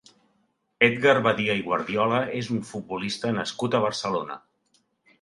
Édgar Badia i Guardiola és un futbolista nascut a Barcelona.